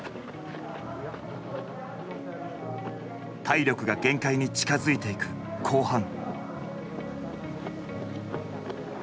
体力が限界に近づいていく後半。